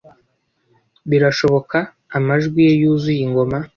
Birashoboka amajwi ye yuzuye ingoma